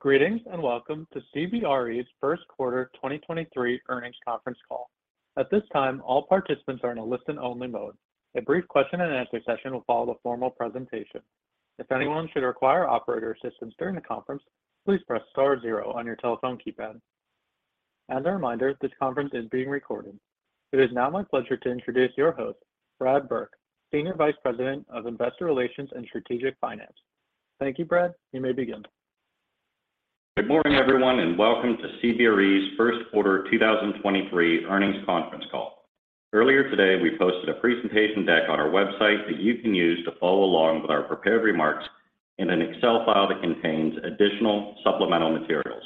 Greetings, and welcome to CBRE's first quarter 2023 earnings conference call. At this time, all participants are in a listen-only mode. A brief question and answer session will follow the formal presentation. If anyone should require operator assistance during the conference, please press star zero on your telephone keypad. As a reminder, this conference is being recorded. It is now my pleasure to introduce your host, Brad Burke, Senior Vice President of Investor Relations and Strategic Finance. Thank you, Brad. You may begin. Good morning, everyone, and welcome to CBRE's first quarter 2023 earnings conference call. Earlier today, we posted a presentation deck on our website that you can use to follow along with our prepared remarks in an Excel file that contains additional supplemental materials.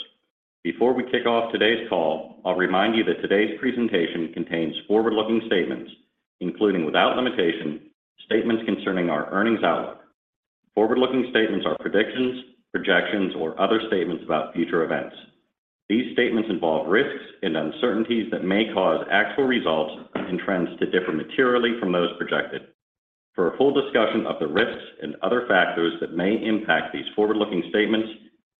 Before we kick off today's call, I'll remind you that today's presentation contains forward-looking statements, including, without limitation, statements concerning our earnings outlook. Forward-looking statements are predictions, projections, or other statements about future events. These statements involve risks and uncertainties that may cause actual results and trends to differ materially from those projected. For a full discussion of the risks and other factors that may impact these forward-looking statements,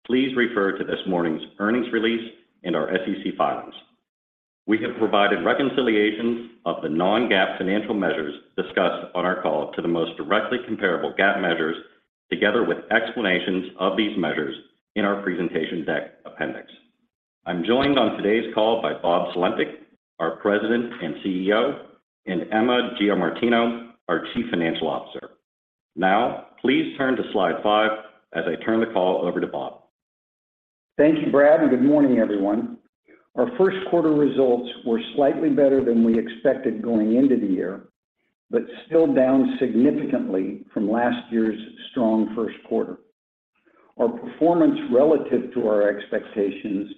please refer to this morning's earnings release and our SEC filings. We have provided reconciliations of the non-GAAP financial measures discussed on our call to the most directly comparable GAAP measures, together with explanations of these measures in our presentation deck appendix. I'm joined on today's call by Bob Sulentic, our President and CEO, and Emma Giamartino, our Chief Financial Officer. Now, please turn to slide five as I turn the call over to Bob. Thank you, Brad. Good morning, everyone. Our first quarter results were slightly better than we expected going into the year, but still down significantly from last year's strong first quarter. Our performance relative to our expectations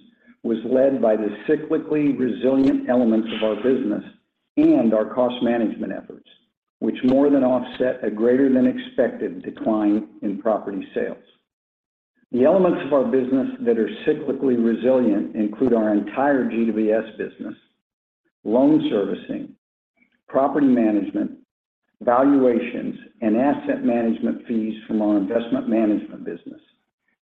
was led by the cyclically resilient elements of our business and our cost management efforts, which more than offset a greater than expected decline in property sales. The elements of our business that are cyclically resilient include our entire GWS business, loan servicing, property management, valuations, and asset management fees from our investment management business.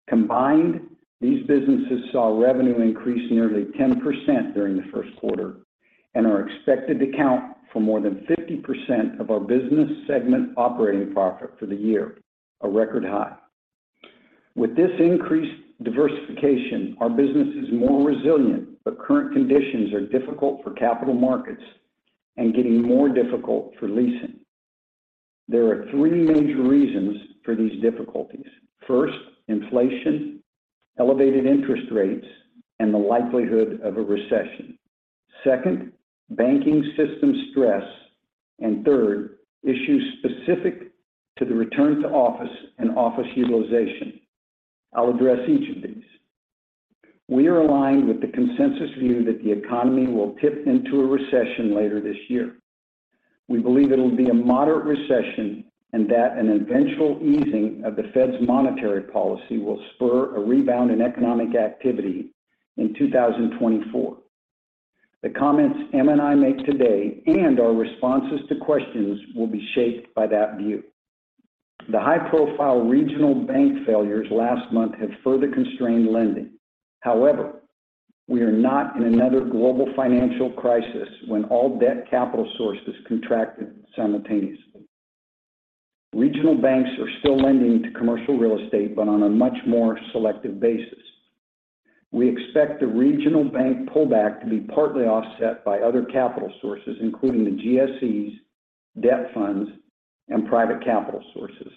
Combined, these businesses saw revenue increase nearly 10% during the first quarter and are expected to account for more than 50% of our business segment operating profit for the year, a record high. With this increased diversification, our business is more resilient, but current conditions are difficult for capital markets and getting more difficult for leasing. There are three major reasons for these difficulties. First, inflation, elevated interest rates, and the likelihood of a recession. Second, banking system stress. Third, issues specific to the return to office and office utilization. I'll address each of these. We are aligned with the consensus view that the economy will tip into a recession later this year. We believe it'll be a moderate recession and that an eventual easing of the Fed's monetary policy will spur a rebound in economic activity in 2024. The comments Emma and I make today and our responses to questions will be shaped by that view. The high-profile regional bank failures last month have further constrained lending. We are not in another global financial crisis when all debt capital sources contracted simultaneously. Regional banks are still lending to commercial real estate, but on a much more selective basis. We expect the regional bank pullback to be partly offset by other capital sources, including the GSEs, debt funds, and private capital sources.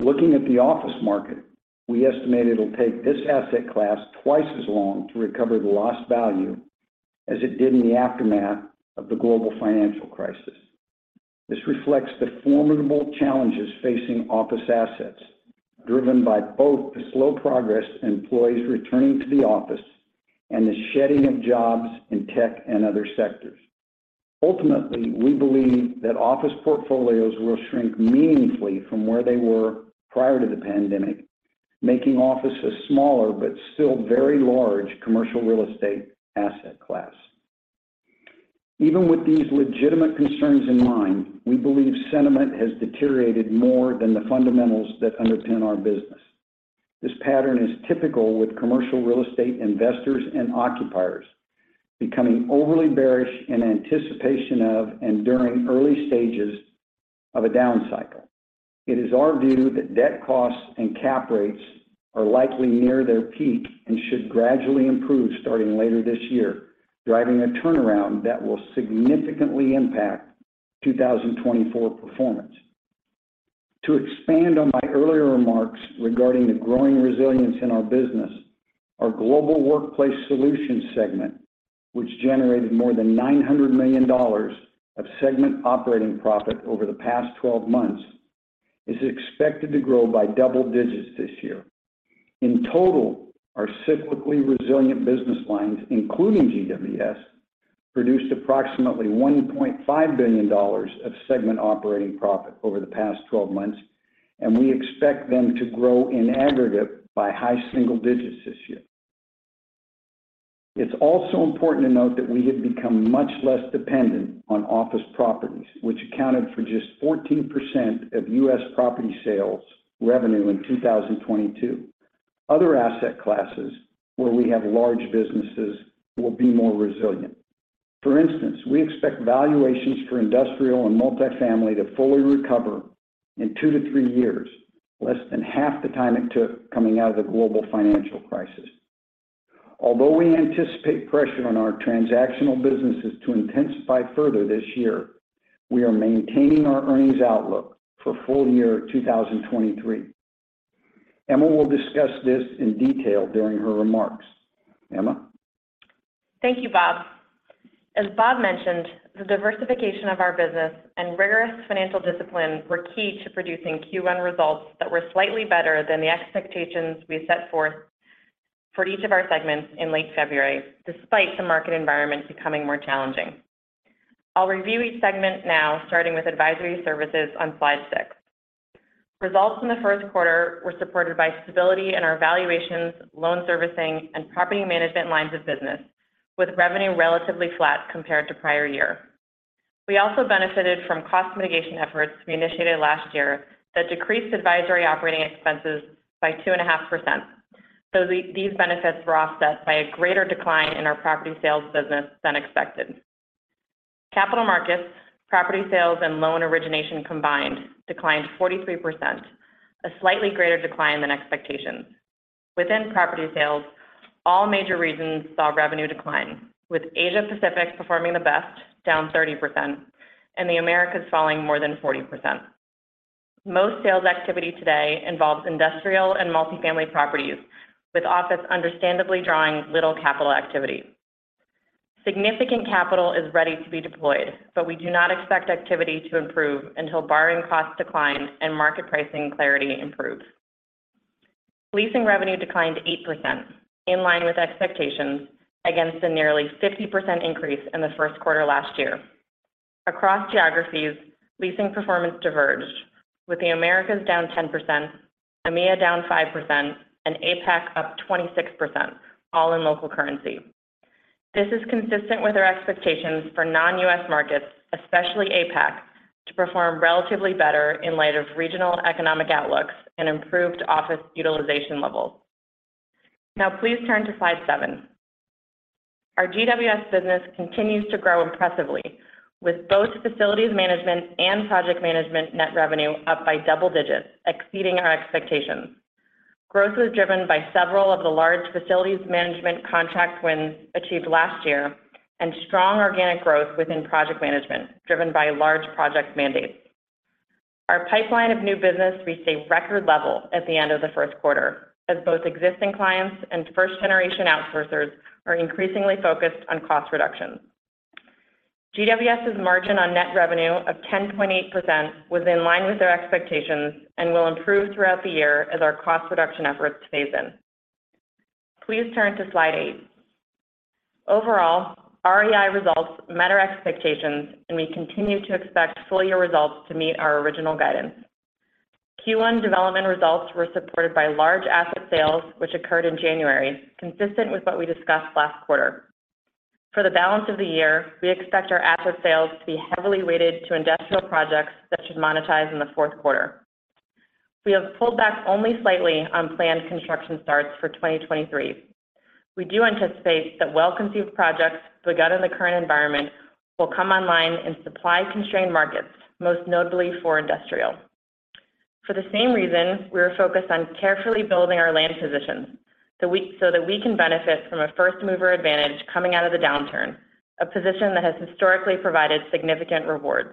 Looking at the office market, we estimate it'll take this asset class twice as long to recover the lost value as it did in the aftermath of the global financial crisis. This reflects the formidable challenges facing office assets, driven by both the slow progress employees returning to the office and the shedding of jobs in tech and other sectors. Ultimately, we believe that office portfolios will shrink meaningfully from where they were prior to the pandemic, making offices smaller but still very large commercial real estate asset class. Even with these legitimate concerns in mind, we believe sentiment has deteriorated more than the fundamentals that underpin our business. This pattern is typical with commercial real estate investors and occupiers becoming overly bearish in anticipation of and during early stages of a down cycle. It is our view that debt costs and cap rates are likely near their peak and should gradually improve starting later this year, driving a turnaround that will significantly impact 2024 performance. To expand on my earlier remarks regarding the growing resilience in our business, our Global Workplace Solutions segment, which generated more than $900 million of segment operating profit over the past 12 months, is expected to grow by double digits this year. In total, our cyclically resilient business lines, including GWS, produced approximately $1.5 billion of segment operating profit over the past 12 months. We expect them to grow in aggregate by high single digits this year. Also important to note that we have become much less dependent on office properties, which accounted for just 14% of U.S. property sales revenue in 2022. Other asset classes where we have large businesses will be more resilient. For instance, we expect valuations for industrial and multifamily to fully recover in two to three years, less than half the time it took coming out of the global financial crisis. We anticipate pressure on our transactional businesses to intensify further this year, we are maintaining our earnings outlook for full year 2023. Emma will discuss this in detail during her remarks. Emma. Thank you, Bob. As Bob mentioned, the diversification of our business and rigorous financial discipline were key to producing Q1 results that were slightly better than the expectations we set forth for each of our segments in late February, despite the market environment becoming more challenging. I'll review each segment now, starting with advisory services on slide six. Results in the first quarter were supported by stability in our valuations, loan servicing, and property management lines of business, with revenue relatively flat compared to prior year. We also benefited from cost mitigation efforts we initiated last year that decreased advisory operating expenses by 2.5%, though these benefits were offset by a greater decline in our property sales business than expected. Capital markets, property sales, and loan origination combined declined 43%, a slightly greater decline than expectations. Within property sales, all major regions saw revenue decline, with Asia-Pacific performing the best, down 30%, and the Americas falling more than 40%. Most sales activity today involves industrial and multifamily properties, with office understandably drawing little capital activity. Significant capital is ready to be deployed. We do not expect activity to improve until borrowing costs decline and market pricing clarity improves. Leasing revenue declined 8%, in line with expectations, against a nearly 50% increase in the first quarter last year. Across geographies, leasing performance diverged, with the Americas down 10%, EMEA down 5%, and APAC up 26%, all in local currency. This is consistent with our expectations for non-U.S. markets, especially APAC, to perform relatively better in light of regional economic outlooks and improved office utilization levels. Please turn to slide seven. Our GWS business continues to grow impressively, with both facilities management and project management net revenue up by double digits, exceeding our expectations. Growth was driven by several of the large facilities management contract wins achieved last year and strong organic growth within project management, driven by large project mandates. Our pipeline of new business reached a record level at the end of the first quarter as both existing clients and first-generation outsourcers are increasingly focused on cost reductions. GWS's margin on net revenue of 10.8% was in line with their expectations and will improve throughout the year as our cost reduction efforts phase in. Please turn to slide eight. Overall, REI results met our expectations, and we continue to expect full-year results to meet our original guidance. Q1 development results were supported by large asset sales which occurred in January, consistent with what we discussed last quarter. For the balance of the year, we expect our asset sales to be heavily weighted to industrial projects that should monetize in the fourth quarter. We have pulled back only slightly on planned construction starts for 2023. We do anticipate that well-conceived projects begun in the current environment will come online in supply-constrained markets, most notably for industrial. For the same reason, we are focused on carefully building our land positions so that we can benefit from a first-mover advantage coming out of the downturn, a position that has historically provided significant rewards.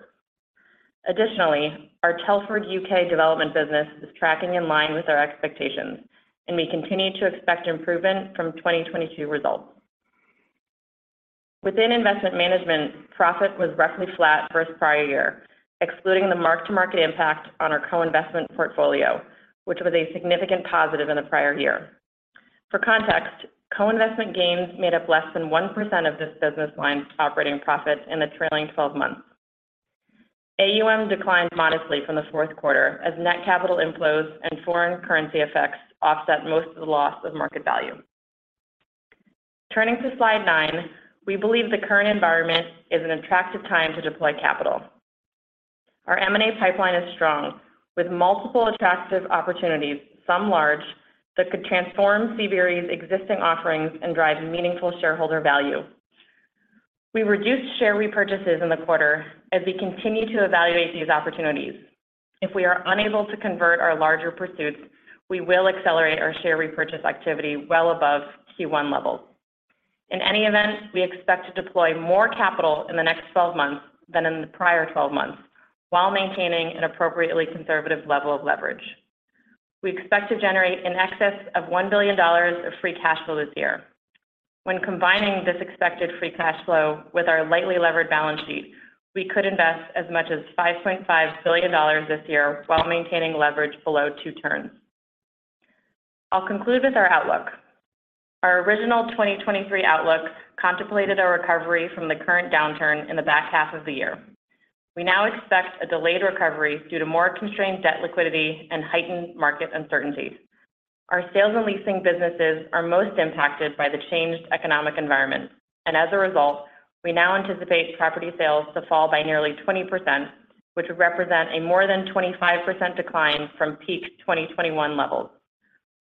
Additionally, our Telford U.K. development business is tracking in line with our expectations, and we continue to expect improvement from 2022 results. Within investment management, profit was roughly flat versus prior year, excluding the mark-to-market impact on our co-investment portfolio, which was a significant positive in the prior year. For context, co-investment gains made up less than 1% of this business line's operating profit in the trailing 12 months. AUM declined modestly from the fourth quarter as net capital inflows and foreign currency effects offset most of the loss of market value. Turning to slide nine, we believe the current environment is an attractive time to deploy capital. Our M&A pipeline is strong, with multiple attractive opportunities, some large, that could transform CBRE's existing offerings and drive meaningful shareholder value. We reduced share repurchases in the quarter as we continue to evaluate these opportunities. If we are unable to convert our larger pursuits, we will accelerate our share repurchase activity well above Q1 levels. In any event, we expect to deploy more capital in the next 12 months than in the prior 12 months while maintaining an appropriately conservative level of leverage. We expect to generate in excess of $1 billion of free cash flow this year. When combining this expected free cash flow with our lightly levered balance sheet, we could invest as much as $5.5 billion this year while maintaining leverage below two turns. I'll conclude with our outlook. Our original 2023 outlook contemplated a recovery from the current downturn in the back half of the year. We now expect a delayed recovery due to more constrained debt liquidity and heightened market uncertainty. Our sales and leasing businesses are most impacted by the changed economic environment. As a result, we now anticipate property sales to fall by nearly 20%, which would represent a more than 25% decline from peak 2021 levels.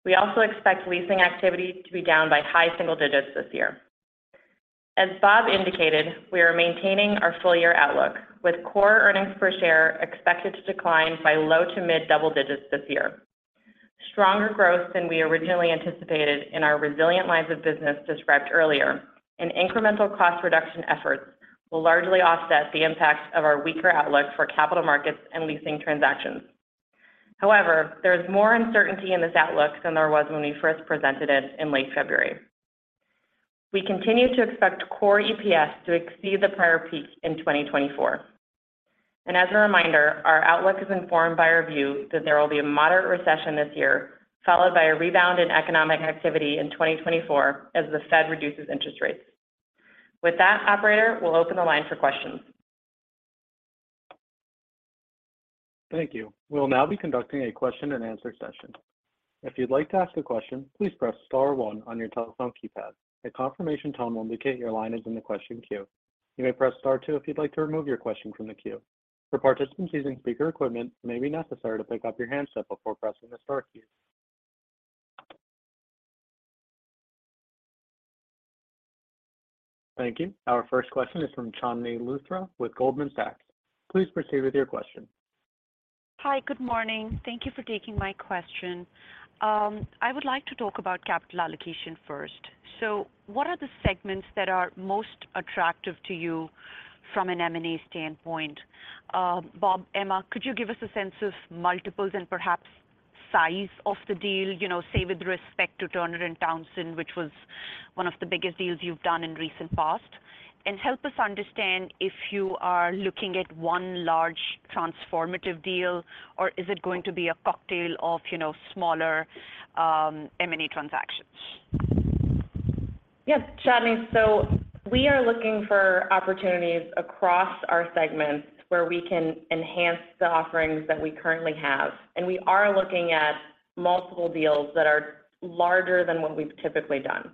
We also expect leasing activity to be down by high single digits this year. As Bob indicated, we are maintaining our full year outlook with core earnings per share expected to decline by low to mid double digits this year. Stronger growth than we originally anticipated in our resilient lines of business described earlier, and incremental cost reduction efforts will largely offset the impact of our weaker outlook for capital markets and leasing transactions. There is more uncertainty in this outlook than there was when we first presented it in late February. We continue to expect core EPS to exceed the prior peak in 2024. As a reminder, our outlook is informed by our view that there will be a moderate recession this year, followed by a rebound in economic activity in 2024 as the Fed reduces interest rates. With that, operator, we'll open the line for questions. Thank you. We'll now be conducting a question and answer session. If you'd like to ask a question, please press star one on your telephone keypad. A confirmation tone will indicate your line is in the question queue. You may press star two if you'd like to remove your question from the queue. For participants using speaker equipment, it may be necessary to pick up your handset before pressing the star key. Thank you. Our first question is from Chandni Luthra with Goldman Sachs. Please proceed with your question. Hi. Good morning. Thank you for taking my question. I would like to talk about capital allocation first. What are the segments that are most attractive to you from an M&A standpoint? Bob, Emma, could you give us a sense of multiples and perhaps size of the deal, you know, say with respect to Turner & Townsend, which was one of the biggest deals you've done in recent past? Help us understand if you are looking at one large transformative deal, or is it going to be a cocktail of, you know, smaller M&A transactions? Yes, Chandni. We are looking for opportunities across our segments where we can enhance the offerings that we currently have, and we are looking at multiple deals that are larger than what we've typically done.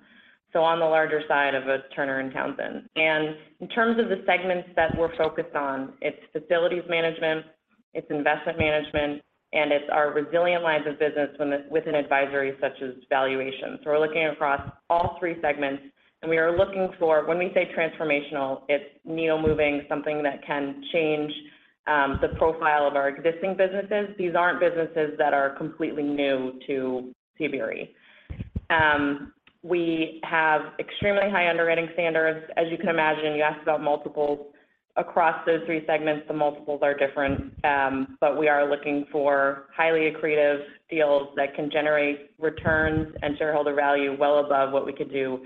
On the larger side of a Turner & Townsend. In terms of the segments that we're focused on, it's facilities management, it's investment management, and it's our resilient lines of business within advisory such as valuations. We're looking across all three segments, and we are looking for when we say transformational, it's needle moving, something that can change the profile of our existing businesses. These aren't businesses that are completely new to CBRE. We have extremely high underwriting standards. As you can imagine, you asked about multiples. Across those three segments, the multiples are different, but we are looking for highly accretive deals that can generate returns and shareholder value well above what we could do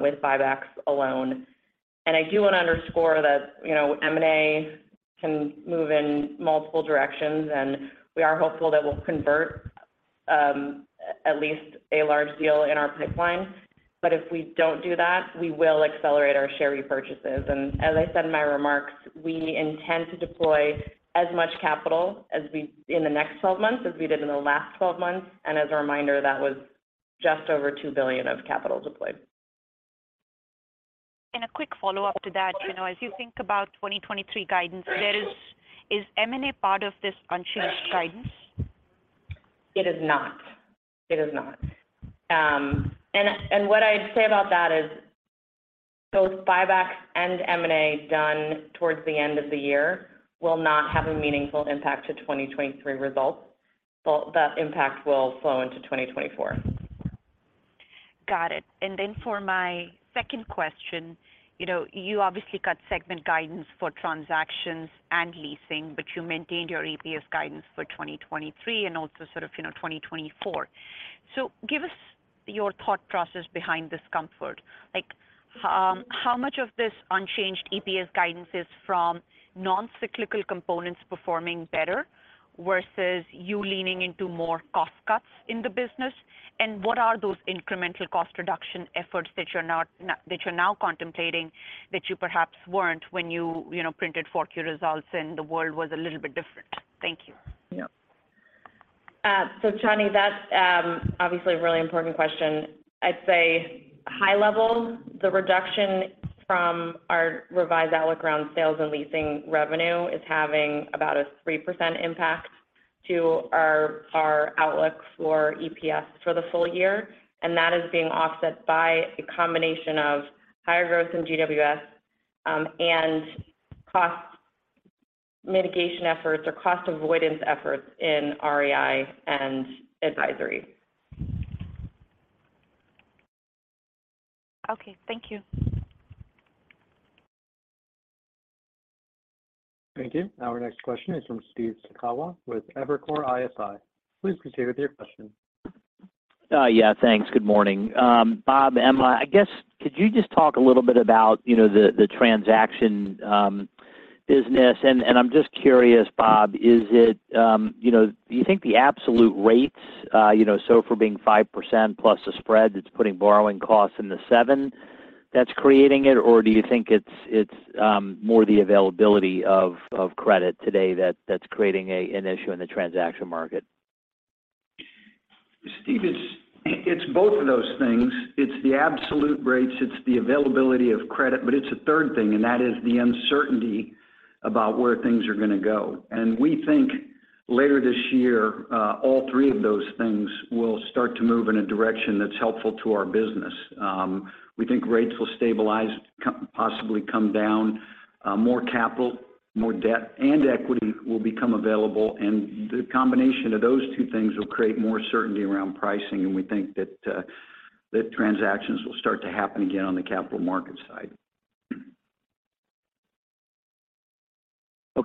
with buybacks alone. I do want to underscore that, you know, M&A can move in multiple directions, and we are hopeful that we'll convert at least a large deal in our pipeline. If we don't do that, we will accelerate our share repurchases. As I said in my remarks, we intend to deploy as much capital as we in the next 12 months as we did in the last 12 months. As a reminder, that was just over $2 billion of capital deployed. A quick follow-up to that. You know, as you think about 2023 guidance, is M&A part of this unchanged guidance? It is not. It is not. What I'd say about that is both buybacks and M&A done towards the end of the year will not have a meaningful impact to 2023 results. Well, the impact will flow into 2024. Got it. For my second question, you know, you obviously got segment guidance for transactions and leasing, but you maintained your EPS guidance for 2023 and also sort of, you know, 2024. Give us your thought process behind this comfort. Like, how much of this unchanged EPS guidance is from non-cyclical components performing better versus you leaning into more cost cuts in the business? What are those incremental cost reduction efforts that you're now contemplating that you perhaps weren't when you know, printed 4Q results and the world was a little bit different? Thank you. Chandni, that's obviously a really important question. I'd say high level, the reduction from our revised outlook around sales and leasing revenue is having about a 3% impact to our outlook for EPS for the full year, and that is being offset by a combination of higher growth in GWS, and cost mitigation efforts or cost avoidance efforts in REI and advisory. Okay. Thank you. Thank you. Our next question is from Steve Sakwa with Evercore ISI. Please proceed with your question. Yeah, thanks. Good morning. Bob, Emma, I guess could you just talk a little bit about, you know, the transaction business? I'm just curious, Bob, is it, you know, Do you think the absolute rates, you know, so for being 5% plus a spread that's putting borrowing costs in the 7% That's creating it, or do you think it's more the availability of credit today that's creating an issue in the transaction market? Steve, it's both of those things. It's the absolute rates, it's the availability of credit. It's a third thing, and that is the uncertainty about where things are going to go. We think later this year, all three of those things will start to move in a direction that's helpful to our business. We think rates will stabilize, possibly come down. More capital, more debt, and equity will become available, and the combination of those two things will create more certainty around pricing, and we think that transactions will start to happen again on the capital market side.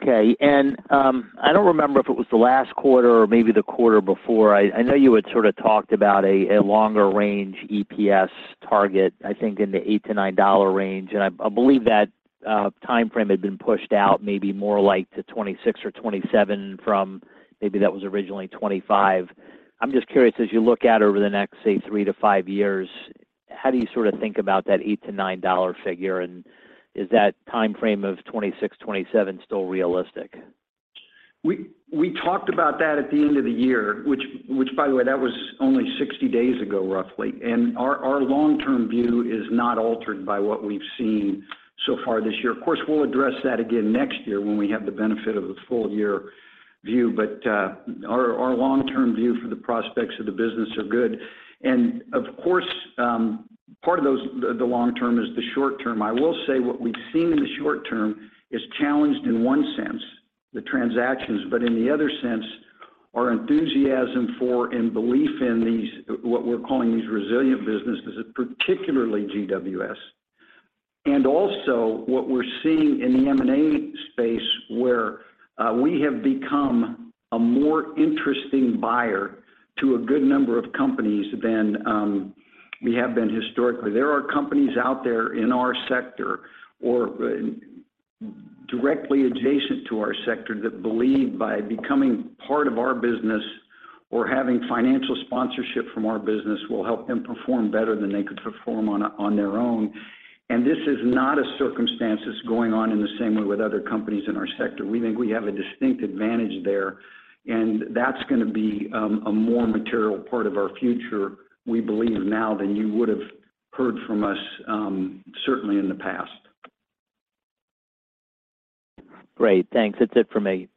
Okay. I don't remember if it was the last quarter or maybe the quarter before. I know you had sort of talked about a longer range EPS target, I think in the $8-$9 range. I believe that timeframe had been pushed out maybe more like to 2026 or 2027 from maybe that was originally 2025. I'm just curious, as you look out over the next, say, three to five years, how do you sort of think about that $8-$9 figure? Is that timeframe of 2026, 2027 still realistic? We talked about that at the end of the year, which by the way, that was only 60 days ago, roughly. Our long-term view is not altered by what we've seen so far this year. Of course, we'll address that again next year when we have the benefit of the full year view. Our long-term view for the prospects of the business are good. Of course, part of those, the long-term is the short-term. I will say what we've seen in the short-term is challenged in one sense, the transactions. In the other sense, our enthusiasm for and belief in these, what we're calling these resilient businesses, particularly GWS. Also what we're seeing in the M&A space where, we have become a more interesting buyer to a good number of companies than, we have been historically. There are companies out there in our sector or directly adjacent to our sector that believe by becoming part of our business or having financial sponsorship from our business will help them perform better than they could perform on their own. This is not a circumstance that's going on in the same way with other companies in our sector. We think we have a distinct advantage there, and that's gonna be a more material part of our future, we believe now than you would've heard from us certainly in the past. Great. Thanks. That's it for me.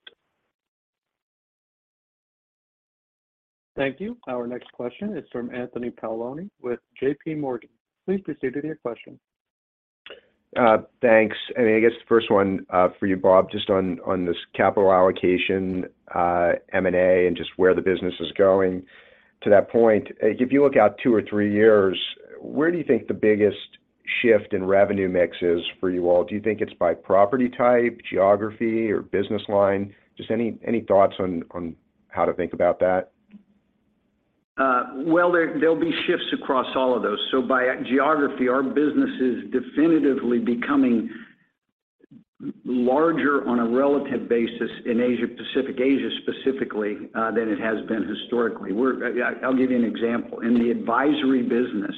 Thank you. Our next question is from Anthony Paolone with JPMorgan. Please proceed with your question. Thanks. I guess the first one for you, Bob, just on this capital allocation, M&A, and just where the business is going. To that point, if you look out two or three years, where do you think the biggest shift in revenue mix is for you all? Do you think it's by property type, geography, or business line? Just any thoughts on how to think about that? Well, there'll be shifts across all of those. By geography, our business is definitively becoming larger on a relative basis in Asia Pacific, Asia specifically, than it has been historically. I'll give you an example. In the advisory business,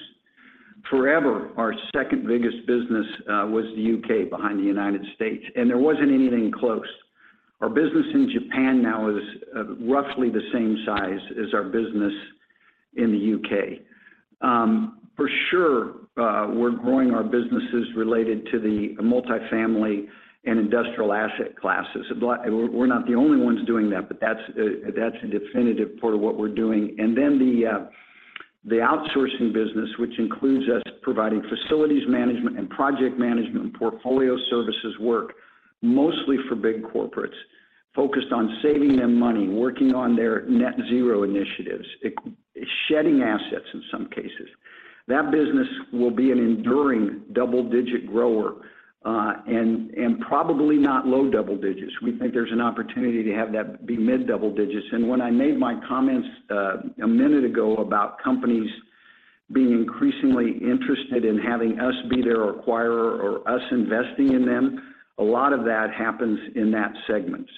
forever, our second biggest business, was the UK behind the United States, and there wasn't anything close. Our business in Japan now is roughly the same size as our business in the UK. For sure, we're growing our businesses related to the multi-family and industrial asset classes. We're not the only ones doing that, but that's a definitive part of what we're doing. The outsourcing business, which includes us providing facilities management and project management, and portfolio services work mostly for big corporates focused on saving them money, working on their net zero initiatives, shedding assets in some cases. That business will be an enduring double-digit grower, and probably not low double digits. We think there's an opportunity to have that be mid double digits. When I made my comments a minute ago about companies being increasingly interested in having us be their acquirer or us investing in them, a lot of that happens in that segment.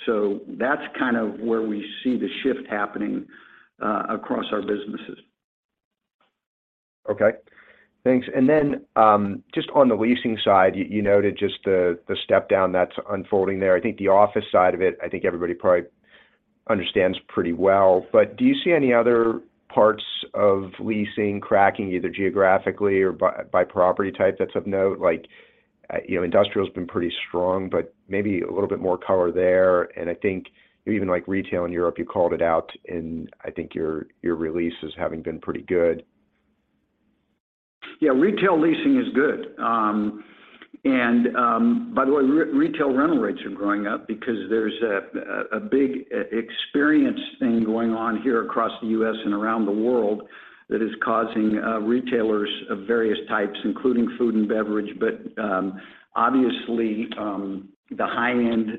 That's kind of where we see the shift happening across our businesses. Okay. Thanks. Then, just on the leasing side, you noted just the step down that's unfolding there. I think the office side of it, I think everybody probably understands pretty well. Do you see any other parts of leasing cracking either geographically or by property type that's of note? Like, you know, industrial's been pretty strong, but maybe a little bit more color there. I think even like retail in Europe, you called it out in, I think your releases having been pretty good. Yeah, retail leasing is good. By the way, retail rental rates are going up because there's a big e-experience thing going on here across the U.S. and around the world that is causing retailers of various types, including food and beverage. Obviously, the high-end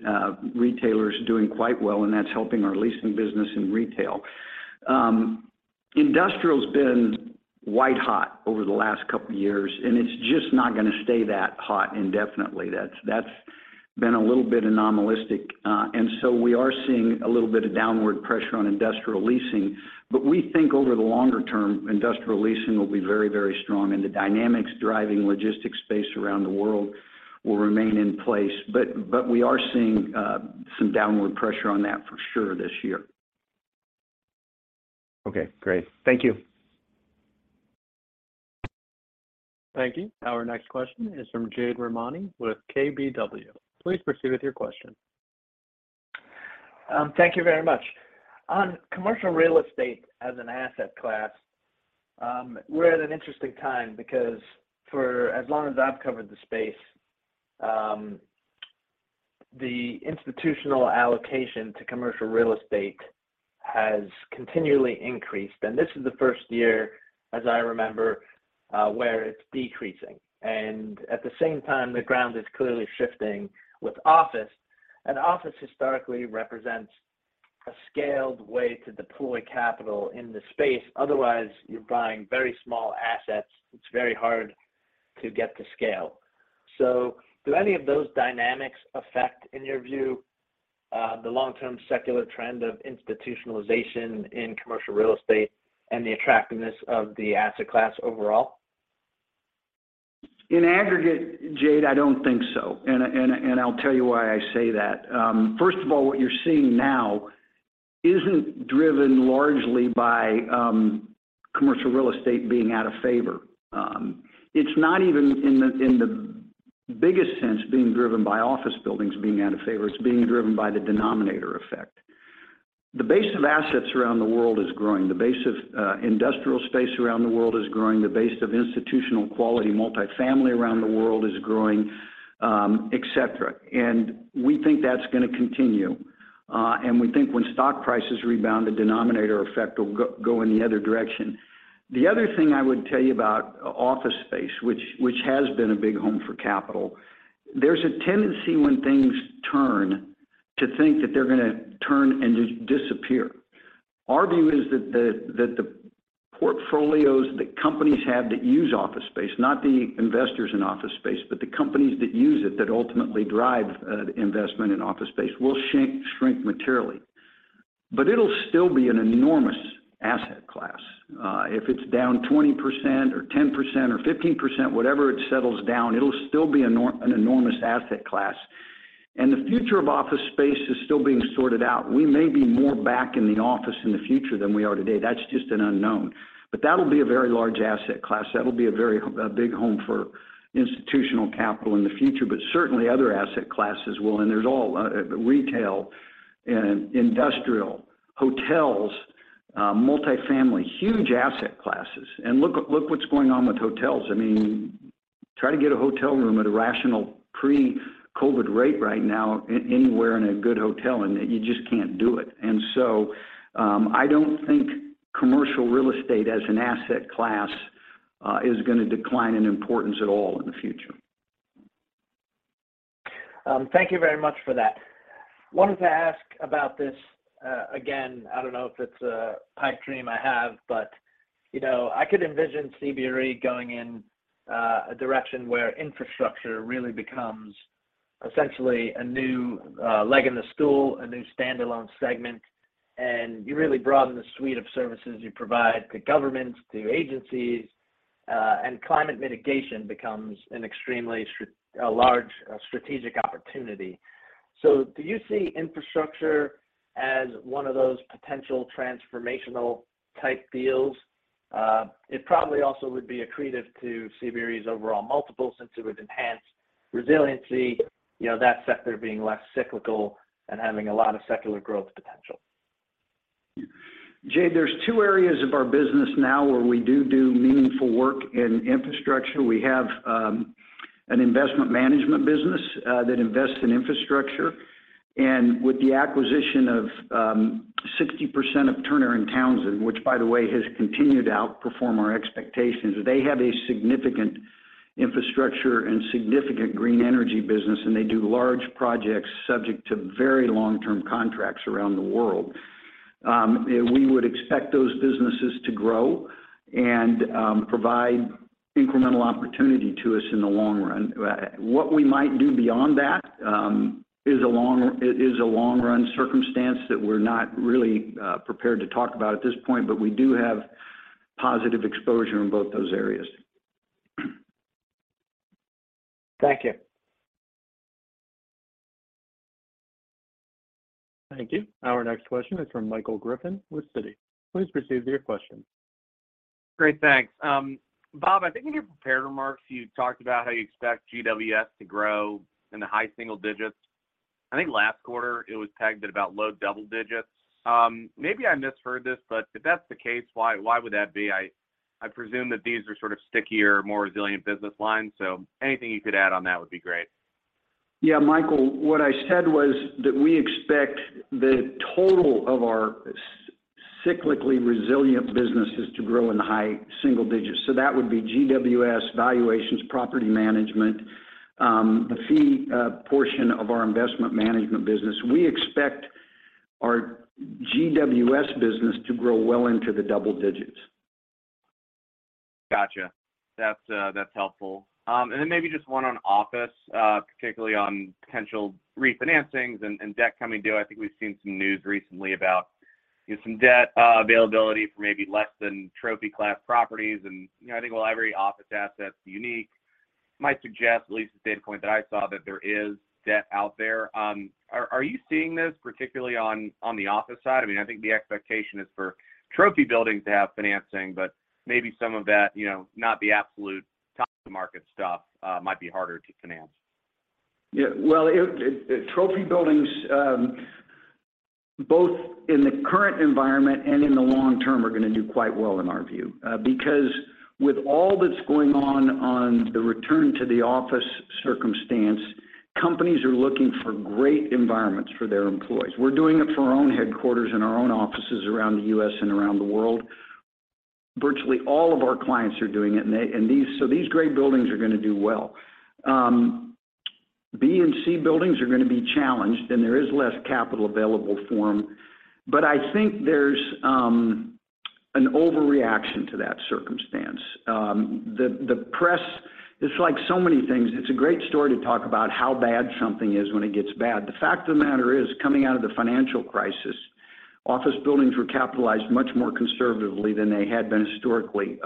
retailers are doing quite well, and that's helping our leasing business in retail. Industrial's been white hot over the last couple years, and it's just not gonna stay that hot indefinitely. That's been a little bit anomalistic, we are seeing a little bit of downward pressure on industrial leasing. We think over the longer term, industrial leasing will be very, very strong, and the dynamics driving logistics space around the world will remain in place. We are seeing some downward pressure on that for sure this year. Okay, great. Thank you. Thank you. Our next question is from Jade Rahmani with KBW. Please proceed with your question. Thank you very much. On commercial real estate as an asset class, we're at an interesting time because for as long as I've covered the space, the institutional allocation to commercial real estate has continually increased, and this is the first year, as I remember, where it's decreasing. At the same time, the ground is clearly shifting with office, and office historically represents a scaled way to deploy capital in the space. Otherwise, you're buying very small assets. It's very hard to get to scale. Do any of those dynamics affect, in your view, the long-term secular trend of institutionalization in commercial real estate and the attractiveness of the asset class overall? In aggregate, Jade, I don't think so, and I'll tell you why I say that. First of all, what you're seeing now isn't driven largely by commercial real estate being out of favor. It's not even in the biggest sense being driven by office buildings being out of favor. It's being driven by the denominator effect. The base of assets around the world is growing. The base of industrial space around the world is growing. The base of institutional-quality multifamily around the world is growing, et cetera. We think that's gonna continue, and we think when stock prices rebound, the denominator effect will go in the other direction. The other thing I would tell you about office space, which has been a big home for capital, there's a tendency when things turn to think that they're gonna turn and disappear. Our view is that the portfolios that companies have that use office space, not the investors in office space, but the companies that use it, that ultimately drive the investment in office space, will shrink materially. It'll still be an enormous asset class. If it's down 20% or 10% or 15%, whatever it settles down, it'll still be an enormous asset class. The future of office space is still being sorted out. We may be more back in the office in the future than we are today. That's just an unknown. That'll be a very large asset class. That'll be a very, a big home for institutional capital in the future. Certainly other asset classes will. There's all retail and industrial, hotels, multifamily, huge asset classes. Look what's going on with hotels. I mean, try to get a hotel room at a rational pre-COVID rate right now anywhere in a good hotel, and you just can't do it. I don't think commercial real estate as an asset class is gonna decline in importance at all in the future. Thank you very much for that. Wanted to ask about this, again, I don't know if it's a pipe dream I have, but, you know, I could envision CBRE going in a direction where infrastructure really becomes essentially a new leg in the stool, a new standalone segment, and you really broaden the suite of services you provide to governments, to agencies, and climate mitigation becomes an extremely large strategic opportunity. Do you see infrastructure as one of those potential transformational type deals? It probably also would be accretive to CBRE's overall multiple since it would enhance resiliency, you know, that sector being less cyclical and having a lot of secular growth potential. Jade, there's two areas of our business now where we do do meaningful work in infrastructure. We have an investment management business that invests in infrastructure, and with the acquisition of 60% of Turner & Townsend, which by the way, has continued to outperform our expectations, they have a significant infrastructure and significant green energy business, and they do large projects subject to very long-term contracts around the world. We would expect those businesses to grow and provide incremental opportunity to us in the long run. What we might do beyond that is a long-run circumstance that we're not really prepared to talk about at this point, but we do have positive exposure in both those areas. Thank you. Thank you. Our next question is from Michael Griffin with Citi. Please proceed with your question. Great, thanks. Bob, I think in your prepared remarks, you talked about how you expect GWS to grow in the high single digits. I think last quarter it was pegged at about low double digits. Maybe I misheard this, but if that's the case, why would that be? I presume that these are sort of stickier, more resilient business lines, so anything you could add on that would be great. Michael, what I said was that we expect the total of our cyclically resilient businesses to grow in the high single digits. That would be GWS valuations, property management, the fee portion of our investment management business. We expect our GWS business to grow well into the double digits. Gotcha. That's, that's helpful. Then maybe just one on office, particularly on potential refinancings and debt coming due. I think we've seen some news recently about, you know, some debt, availability for maybe less than trophy class properties. You know, I think while every office asset's unique, might suggest, at least the data point that I saw, that there is debt out there. Are you seeing this particularly on the office side? I mean, I think the expectation is for trophy buildings to have financing, but maybe some of that, you know, not the absolute top of the market stuff, might be harder to finance. Well, trophy buildings, both in the current environment and in the long term are gonna do quite well in our view. Because with all that's going on on the return to the office circumstance, companies are looking for great environments for their employees. We're doing it for our own headquarters and our own offices around the U.S. and around the world. Virtually all of our clients are doing it, and these great buildings are gonna do well. B and C buildings are gonna be challenged, and there is less capital available for them. I think there's an overreaction to that circumstance. The press, it's like so many things, it's a great story to talk about how bad something is when it gets bad. The fact of the matter is, coming out of the financial crisis, office buildings were capitalized much more conservatively than they had been historically.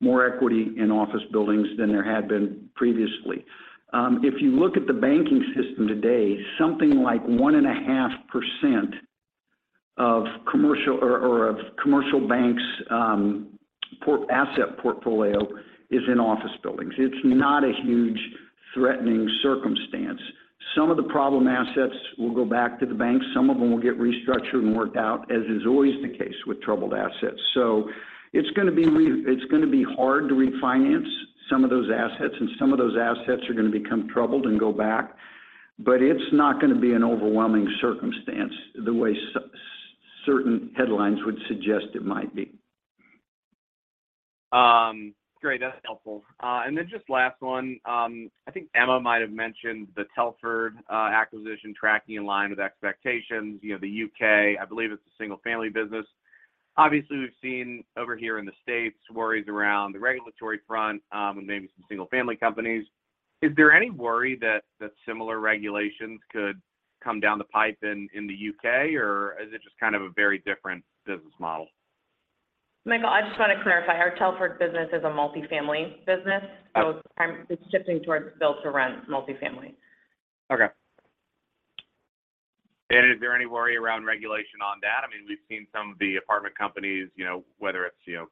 More equity in office buildings than there had been previously. If you look at the banking system today, something like 1.5% of commercial or of commercial banks' asset portfolio is in office buildings. It's not a huge threatening circumstance. Some of the problem assets will go back to the banks. Some of them will get restructured and worked out, as is always the case with troubled assets. It's gonna be hard to refinance some of those assets, and some of those assets are gonna become troubled and go back. It's not gonna be an overwhelming circumstance the way certain headlines would suggest it might be. Great. That's helpful. Then just last one. I think Emma might have mentioned the Telford acquisition tracking in line with expectations. You know, the U.K., I believe it's a single-family business. Obviously, we've seen over here in the States worries around the regulatory front, and maybe some single-family companies. Is there any worry that similar regulations could come down the pipe in the U.K., or is it just kind of a very different business model? Michael, I just wanna clarify. Our Telford business is a multifamily business. Okay. it's shifting towards build to rent multifamily. Okay. Is there any worry around regulation on that? I mean, we've seen some of the apartment companies, you know, whether it's, you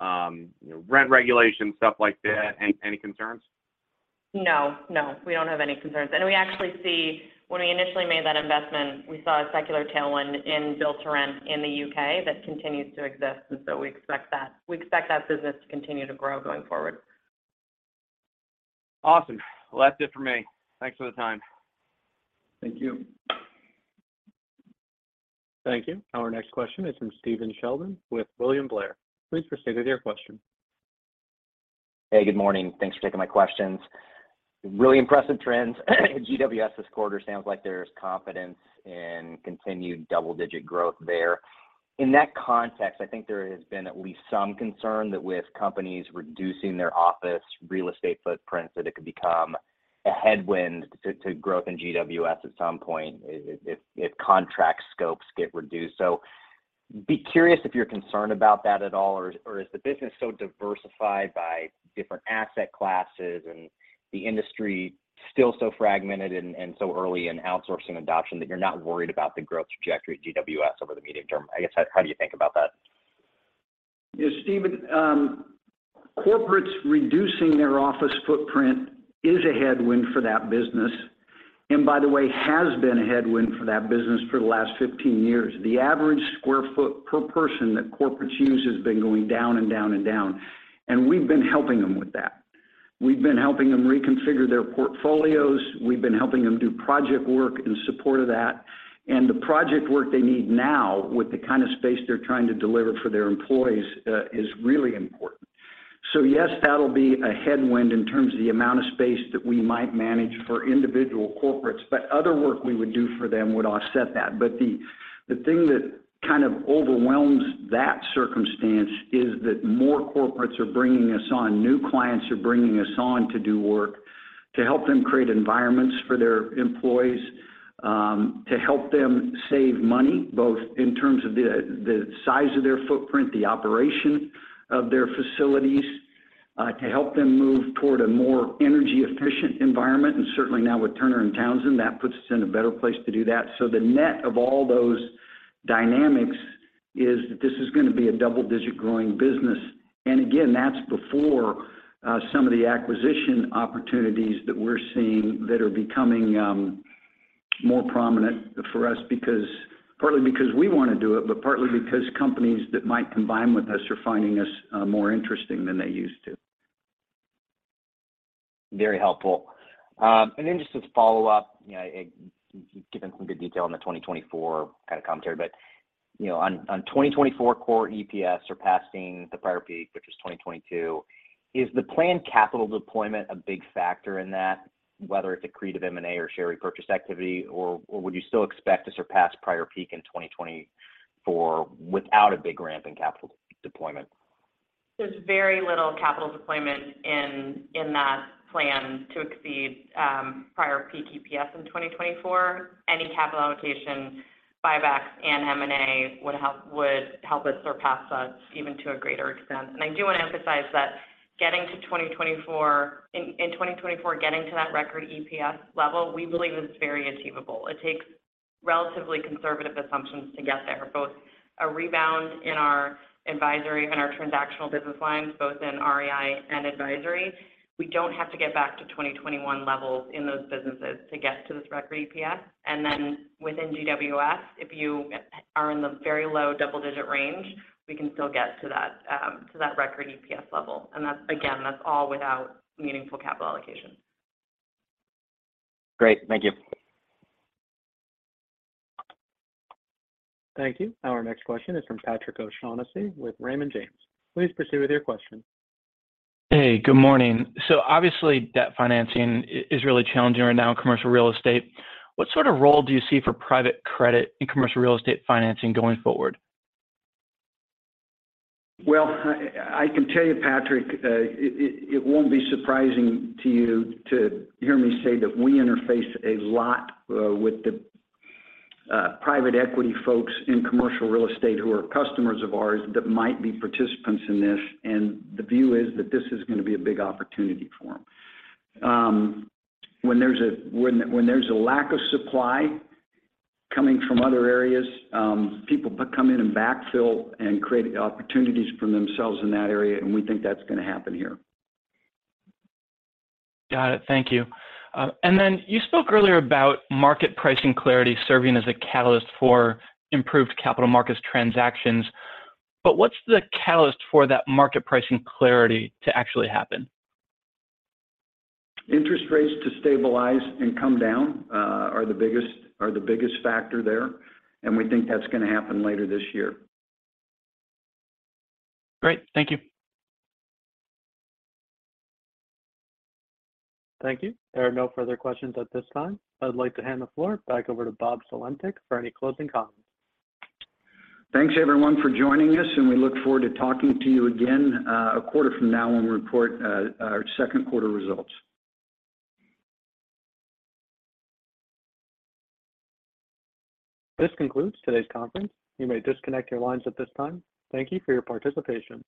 know, rent regulation, stuff like that. Any concerns? No, no. We don't have any concerns. When we initially made that investment, we saw a secular tailwind in build to rent in the U.K. that continues to exist. We expect that business to continue to grow going forward. Awesome. Well, that's it for me. Thanks for the time. Thank you. Thank you. Our next question is from Stephen Sheldon with William Blair. Please proceed with your question. Hey, good morning. Thanks for taking my questions. Really impressive trends at GWS this quarter. Sounds like there's confidence in continued double-digit growth there. In that context, I think there has been at least some concern that with companies reducing their office real estate footprint, that it could become a headwind to growth in GWS at some point if contract scopes get reduced. Be curious if you're concerned about that at all, or is the business so diversified by different asset classes and the industry still so fragmented and so early in outsourcing adoption that you're not worried about the growth trajectory at GWS over the medium term? I guess how do you think about that? Stephen, corporates reducing their office footprint is a headwind for that business, and by the way, has been a headwind for that business for the last 15 years. The average square foot per person that corporates use has been going down and down and down, and we've been helping them with that. We've been helping them reconfigure their portfolios. We've been helping them do project work in support of that. The project work they need now with the kind of space they're trying to deliver for their employees is really important. Yes, that'll be a headwind in terms of the amount of space that we might manage for individual corporates, but other work we would do for them would offset that. The thing that kind of overwhelms that circumstance is that more corporates are bringing us on. New clients are bringing us on to do work to help them create environments for their employees, to help them save money, both in terms of the size of their footprint, the operation of their facilities, to help them move toward a more energy-efficient environment. Certainly now with Turner & Townsend, that puts us in a better place to do that. The net of all those dynamics is that this is gonna be a double-digit growing business. Again, that's before some of the acquisition opportunities that we're seeing that are becoming more prominent for us because... partly because we wanna do it, but partly because companies that might combine with us are finding us more interesting than they used to. Very helpful. Then just to follow up, you know, you've given some good detail on the 2024 kind of commentary, but, you know, on 2024 core EPS surpassing the prior peak, which was 2022, is the planned capital deployment a big factor in that, whether it's accretive M&A or share repurchase activity, or would you still expect to surpass prior peak in 2024 without a big ramp in capital deployment? There's very little capital deployment in that plan to exceed prior peak EPS in 2024. Any capital allocation, buybacks and M&A would help us surpass us even to a greater extent. I do wanna emphasize that getting to 2024, getting to that record EPS level, we believe is very achievable. It takes relatively conservative assumptions to get there, both a rebound in our advisory and our transactional business lines, both in REI and advisory. We don't have to get back to 2021 levels in those businesses to get to this record EPS. Then within GWS, if you are in the very low double-digit range, we can still get to that record EPS level. That's again, that's all without meaningful capital allocation. Great. Thank you. Thank you. Our next question is from Patrick O'Shaughnessy with Raymond James. Please proceed with your question. Hey, good morning. Obviously, debt financing is really challenging right now in commercial real estate. What sort of role do you see for private credit in commercial real estate financing going forward? Well, I can tell you, Patrick, it won't be surprising to you to hear me say that we interface a lot with the private equity folks in commercial real estate who are customers of ours that might be participants in this. The view is that this is gonna be a big opportunity for them. When there's a lack of supply coming from other areas, people come in and backfill and create opportunities for themselves in that area, we think that's gonna happen here. Got it. Thank you. You spoke earlier about market pricing clarity serving as a catalyst for improved capital markets transactions. What's the catalyst for that market pricing clarity to actually happen? Interest rates to stabilize and come down, are the biggest factor there, and we think that's gonna happen later this year. Great. Thank you. Thank you. There are no further questions at this time. I'd like to hand the floor back over to Bob Sulentic for any closing comments. Thanks, everyone, for joining us, and we look forward to talking to you again, a quarter from now when we report, our second quarter results. This concludes today's conference. You may disconnect your lines at this time. Thank you for your participation.